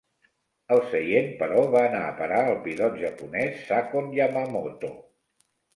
El seient, però, va anar a parar al pilot japonès Sakon Yamamoto.